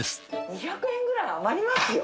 ２００円くらい余りますよ。